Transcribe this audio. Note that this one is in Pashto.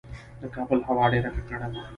د کابل هوا ډیره ککړه ده